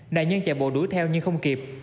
đại nhân chạy bộ đuổi theo nhưng không kịp